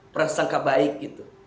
perasangka baik gitu